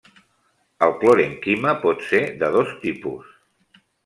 El clorènquima pot ser de dos tipus.